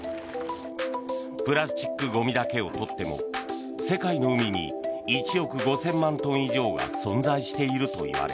プラスチックゴミだけを取っても世界の海に１億５０００万トン以上が存在しているといわれ